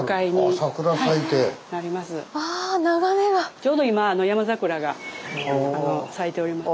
ちょうど今ヤマザクラが咲いております。